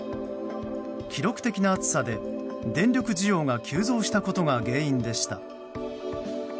記録的な暑さで、電力需要が急増したことが原因でした。